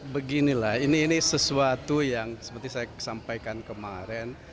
beginilah ini sesuatu yang seperti saya sampaikan kemarin